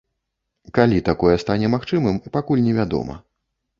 Калі такое стане магчымым, пакуль невядома.